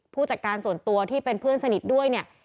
ผู้จัดการส่วนตัวที่เป็นเพื่อนสนิทด้วยเนี่ย